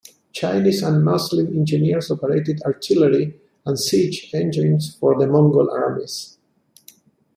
Chinese and Muslim engineers operated Artillery and siege engines for the Mongol armies.